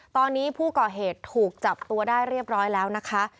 ตอนนี้ผู้ก่อเหตุถูกจับตัวได้เรียบร้อยแล้วนะคะ